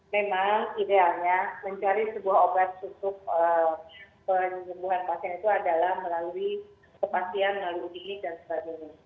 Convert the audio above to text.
memang idealnya mencari sebuah obat untuk penyembuhan pasien itu adalah melalui kepastian melalui uji dan sebagainya